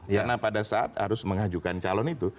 karena pada saat harus mengajukan calon itu